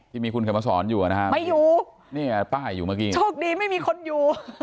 ที่มีคุณเขียนมาสอนอยู่นะฮะไม่อยู่เนี่ยป้ายอยู่เมื่อกี้โชคดีไม่มีคนอยู่